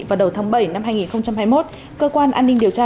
vào đầu tháng bảy năm hai nghìn hai mươi một cơ quan an ninh điều tra